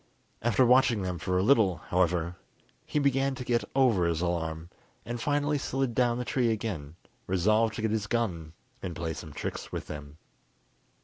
After watching them for a little, however, he began to get over his alarm, and finally slid down the tree again, resolved to get his gun and play some tricks with them.